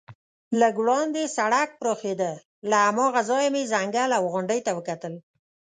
لږ وړاندې سړک پراخېده، له هماغه ځایه مې ځنګل او غونډۍ ته وکتل.